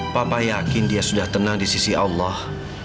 papa yakin dia sudah tenang di sisi allah